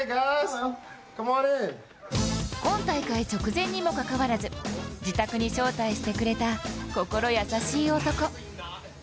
今大会直前にもかかわらず自宅に招待してくれた心優しい男。